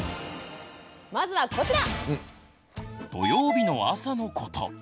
まずはこちら！